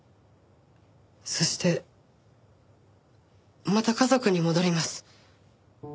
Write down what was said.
そしてまた家族に戻ります。